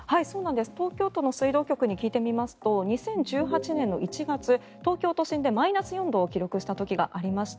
東京都の水道局に聞いてみますと２０１８年の１月東京都心でマイナス４度を記録した時がありました。